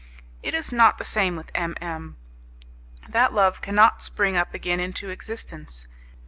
It is not the same with M M ; that love cannot spring up again into existence.